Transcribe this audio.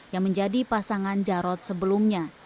yang menjadi pasangan jarod sebelumnya